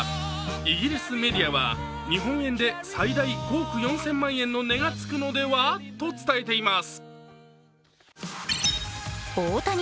イギリスメディアは日本円で最大５億４０００万円の値がつくのではと伝えています。